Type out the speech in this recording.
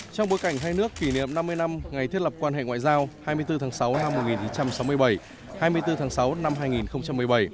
trong bối cảnh hai nước kỷ niệm năm mươi năm ngày thiết lập quan hệ ngoại giao hai mươi bốn tháng sáu năm một nghìn chín trăm sáu mươi bảy hai mươi bốn tháng sáu năm hai nghìn một mươi bảy